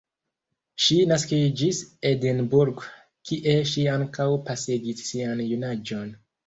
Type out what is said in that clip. Ŝi naskiĝis Edinburgh, kie ŝi ankaŭ pasigis sian junaĝon.